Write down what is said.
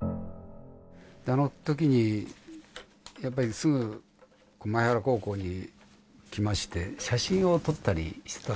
あの時にやっぱりすぐ前原高校に来まして写真を撮ったりしてたんですね。